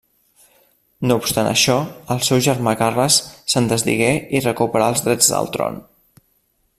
No obstant això, el seu germà Carles se'n desdigué i recuperà els drets al tron.